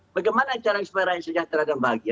bagaimana cara supaya rakyat sejahtera dan bahagia